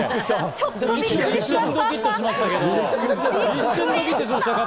一瞬ドキッとしましたけど。